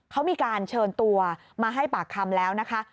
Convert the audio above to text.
เขามีการเชิญตัวมาให้ปากคำแล้วนะคะ